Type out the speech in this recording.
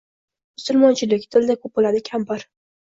Musulmonchilik... dilda bo‘ladi, kampir.